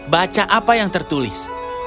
baca apa yang tertulis